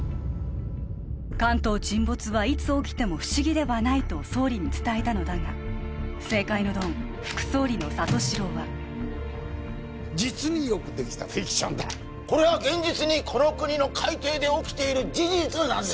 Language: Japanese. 関東沈没はいつ起きても不思議ではないと総理に伝えたのだが政界のドン副総理の里城は実によくできたフィクションだこれは現実にこの国の海底で起きている事実なんです